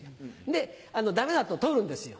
でダメだと取るんですよ。